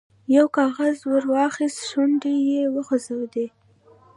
یو کاغذ ور واخیست، شونډې یې وخوځېدې.